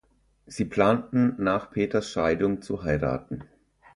Sie planten, nach Peters Scheidung zu heiraten.